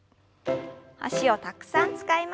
脚をたくさん使いました。